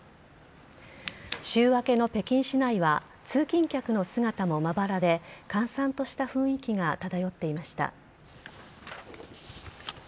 週明けの北京市内は、通勤客の姿もまばらで、閑散とした雰囲気が漂っていました。